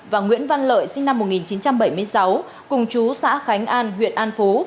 và nguyễn văn lợi sinh năm một nghìn chín trăm bảy mươi sáu cùng chú xã khánh an huyện an phú